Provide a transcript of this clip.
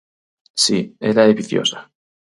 Si, ela é viciosa.